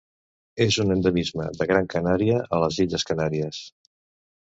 És un endemisme de Gran Canària a les Illes Canàries.